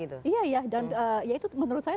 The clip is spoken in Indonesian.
iya dan itu menurut saya